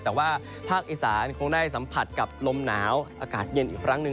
แต่ว่าภาคอีสานคงได้สัมผัสกับลมหนาวอากาศเย็นอีกครั้งหนึ่ง